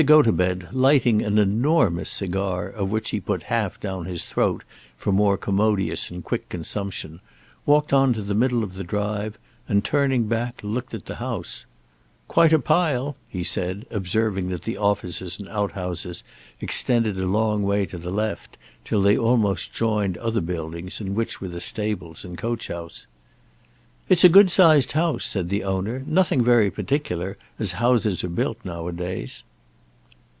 Gotobed, lighting an enormous cigar of which he put half down his throat for more commodious and quick consumption, walked on to the middle of the drive, and turning back looked up at the house, "Quite a pile," he said, observing that the offices and outhouses extended a long way to the left till they almost joined other buildings in which were the stables and coach house. "It's a good sized house," said the owner; "nothing very particular, as houses are built now a days."